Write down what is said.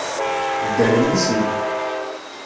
Ddren i sin.